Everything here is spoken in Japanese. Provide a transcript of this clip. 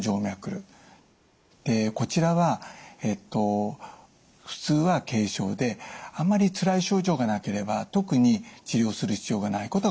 こちらは普通は軽症であまりつらい症状がなければ特に治療する必要がないことが多いです。